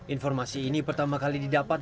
informasi ini pertama kali didapat